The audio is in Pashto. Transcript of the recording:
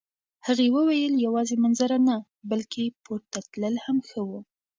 هغې وویل یوازې منظره نه، بلکه پورته تلل هم ښه وو.